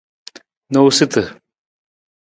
Noosutu.